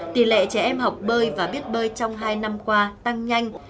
tỷ lệ trẻ em học bơi và biết bơi trong hai năm qua tăng nhanh